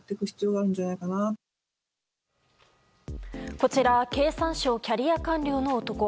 こちら経産省キャリア官僚の男。